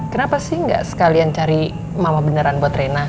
kenapa sih nggak sekalian cari mama beneran buat rena